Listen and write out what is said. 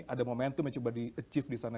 ada momentum yang coba di achieve disana